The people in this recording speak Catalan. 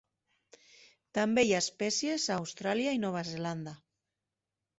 També hi ha espècies a Austràlia i Nova Zelanda.